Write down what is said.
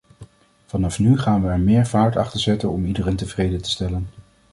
Vanaf nu gaan we er meer vaart achter zetten om iedereen tevreden te stellen.